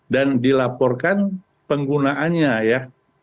dan dilaporkan penggunaannya ya